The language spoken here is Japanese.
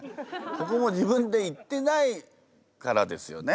ここも自分で行ってないからですよね。